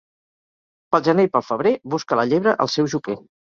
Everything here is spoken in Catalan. Pel gener i pel febrer busca la llebre el seu joquer.